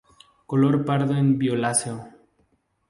Color pardo a violáceo.